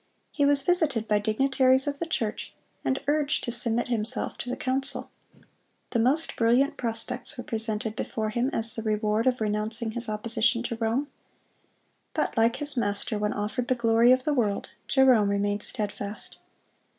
He was visited by dignitaries of the church, and urged to submit himself to the council. The most brilliant prospects were presented before him as the reward of renouncing his opposition to Rome. But like his Master, when offered the glory of the world, Jerome remained steadfast.